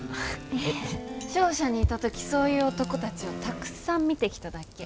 商社にいた時そういう男たちをたくさん見てきただけ。